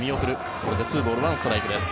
これで２ボール１ストライクです。